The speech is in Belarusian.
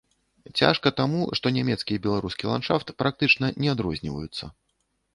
Цяжка таму, што нямецкі і беларускі ландшафт практычна не адрозніваюцца.